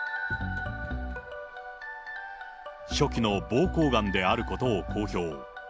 初期のぼうこうがんであることを公表。